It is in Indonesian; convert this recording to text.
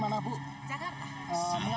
mengapa bu dipilih perayaan disini bu